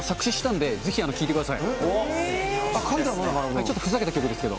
ちょっとふざけた曲ですけど。